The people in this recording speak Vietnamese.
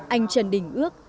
anh trần đình ước